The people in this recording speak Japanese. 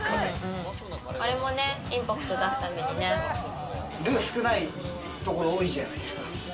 あれもインパクトを出すためルー少ないところ多いじゃないですか。